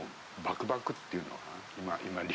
バクバクって言うのかな